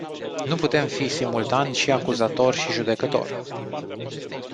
Nu putem fi simultan și acuzator și judecător.